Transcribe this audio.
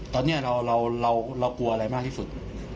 ตอนนี้เรากลัวอะไรมากที่สุด